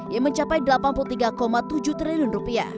yang mencapai rp delapan puluh tiga tujuh triliun